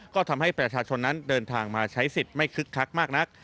ก็ทำให้ประชาชนนั้นเดินทางมาใช้สิทธิ์ไม่คึกคักมากนัก